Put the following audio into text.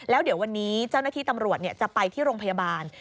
แล้วเดี๋ยววันนี้เจ้าหน้าที่ตำรวจจะไปที่โรงพยาบาล